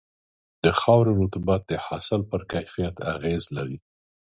د خاورې رطوبت د حاصل پر کیفیت اغېز لري.